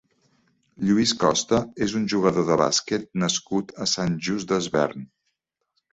Lluís Costa és un jugador de bàsquet nascut a Sant Just Desvern.